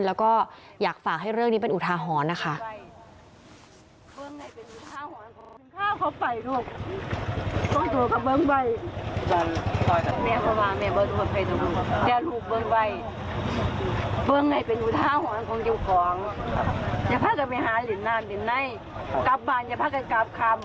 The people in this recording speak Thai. แล้วก็อยากฝากให้เรื่องนี้เป็นอุทาหรณ์นะคะ